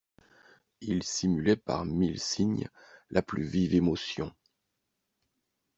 Il simulait par mille signes la plus vive émotion.